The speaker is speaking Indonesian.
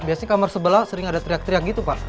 biasanya kamar sebelah sering ada teriak teriak gitu pak